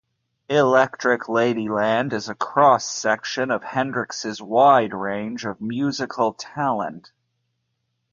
"Electric Ladyland" is a cross-section of Hendrix's wide range of musical talent.